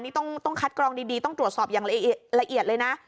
นี่ต้องคัดกรองดีต้องตรวจสอบอย่างละเอียดเลยนะ